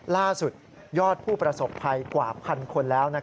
ล่าสุดยอดผู้ประสบภัยกว่าพันคนแล้ว